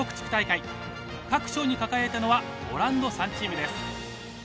各賞に輝いたのはご覧の３チームです。